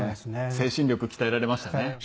精神力鍛えられましたね。